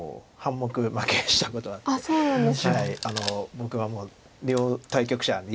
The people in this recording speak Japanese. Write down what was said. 僕はもう両対局者に。